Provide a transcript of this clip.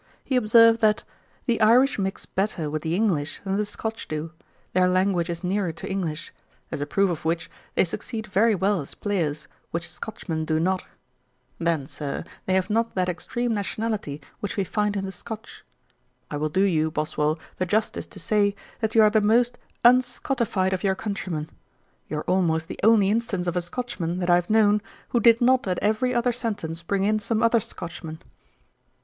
He observed that 'The Irish mix better with the English than the Scotch do; their language is nearer to English; as a proof of which, they succeed very well as players, which Scotchmen do not. Then, Sir, they have not that extreme nationality which we find in the Scotch. I will do you, Boswell, the justice to say, that you are the most unscottified of your countrymen. You are almost the only instance of a Scotchman that I have known, who did not at every other sentence bring in some other Scotchman.'